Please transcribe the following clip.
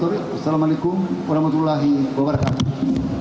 wassalamualaikum warahmatullahi wabarakatuh